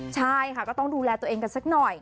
ใช่ค่ะก็ต้องดูแลตัวเองกันสักหน่อย